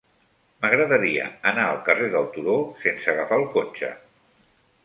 M'agradaria anar al carrer del Turó sense agafar el cotxe.